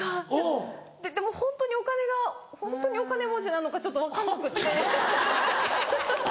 でもホントにお金がホントにお金持ちなのかちょっと分かんなくって。